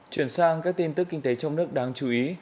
chuyển sang các tin tức kinh tế trong nước đáng chú ý